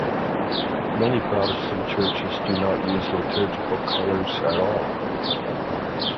Many Protestant churches do not use liturgical colours at all.